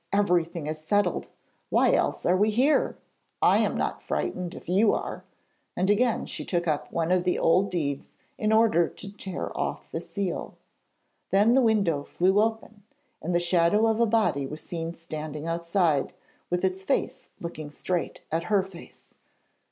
Everything is settled. Why else are we here? I am not frightened, if you are,' and again she took up one of the old deeds, in order to tear off the seal. Then the window flew open and the shadow of a body was seen standing outside, with its face looking straight at her face.